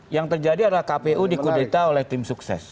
yang terjadi adalah kpu dikudeta oleh tim sukses